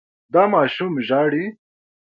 دا ماشوم ژاړي.